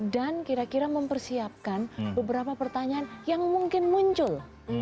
dan kira kira mempersiapkan beberapa pertanyaan yang mungkin muncul